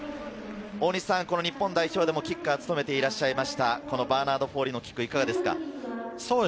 日本代表でもキッカーを務めていらっしゃいましたが、バーナード・フォーリーのキック、いかがですか？